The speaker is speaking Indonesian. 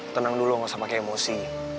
tenang dulu gak usah pake emosi